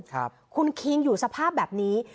คุณคิงอยู่สภาพแบบนี้